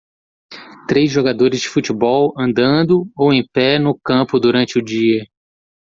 Três jogadores de futebol andando ou em pé no campo durante o dia.